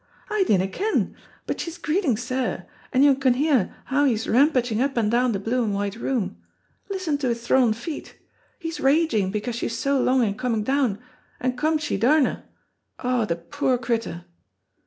"I dinna ken, but she's greeting sair, and yon can hear how he's rampaging up and down the blue and white room. Listen to his thrawn feet! He's raging because she's so long in coming down, and come she daurna. Oh, the poor crittur!"